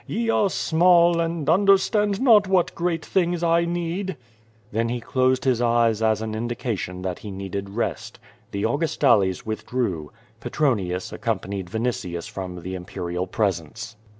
Ye are small and understand not what great things I need." Then he closed his eyes as an indication that he needed rest. The Augustales withdrew. Petronius accompanied Vin itius from the imperial presence.